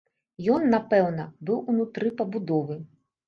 Ён, напэўна, быў унутры пабудовы.